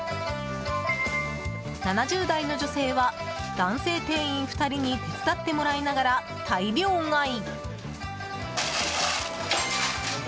７０代の女性は、男性店員２人に手伝ってもらいながら大量買い。